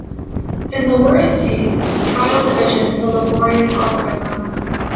In the worst case, trial division is a laborious algorithm.